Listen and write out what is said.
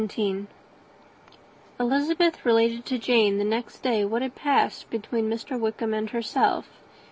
Elizabeth related to Jane, the next day, what had passed between Mr. Wickham and herself.